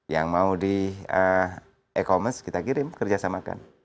yang mau di e commerce kita kirim kerjasamakan